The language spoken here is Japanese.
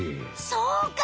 そうか。